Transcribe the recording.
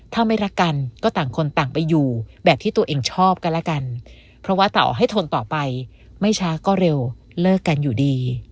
ถ้าไม่รักกันก็ต่างคนต่างไปอยู่แบบที่ตัวเองชอบกันแล้วกันเพราะว่าต่อให้ทนต่อไปไม่ช้าก็เร็วเลิกกันอยู่ดี